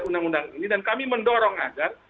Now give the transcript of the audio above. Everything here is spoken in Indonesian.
undang undang ini dan kami mendorong agar